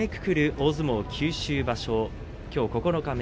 大相撲九州場所きょう九日目。